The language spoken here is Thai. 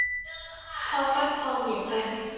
พอฟัดพอเหวี่ยงกัน